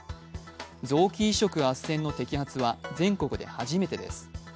臓器移植あっせんの摘発は全国で初めてです。